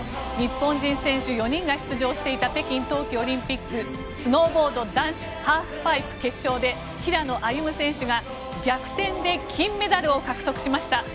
日本人選手４人が出場していた北京冬季オリンピックスノーボード男子ハーフパイプ決勝で平野歩夢選手が逆転で金メダルを獲得しました！